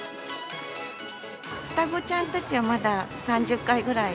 双子ちゃんたちはまだ３０回ぐらい。